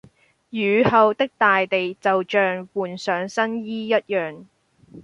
雨後的大地就像換上新衣一樣